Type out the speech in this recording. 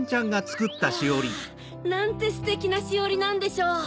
うわなんてステキなしおりなんでしょう。